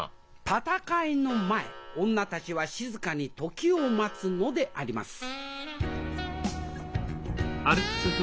戦いの前女たちは静かに時を待つのであります